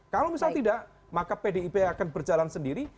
kalau misal tidak maka pdip akan berjalan sendiri